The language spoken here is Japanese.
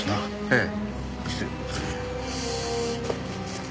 ええ。